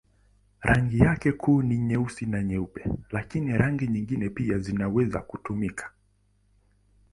Rangi yake kuu ni nyeusi na nyeupe, lakini rangi nyingine pia zinaweza kutumika.